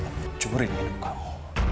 aku akan hancurin hidup kamu